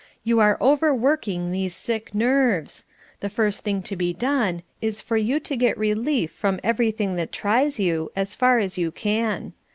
You are overworking these sick nerves. The first thing to be done is for you to get relief from everything that tries you, as far as you can.